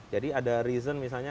jadi ada alasan misalnya